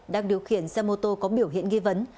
đang điều khiển xe mô tô có biểu hiện nghi vấn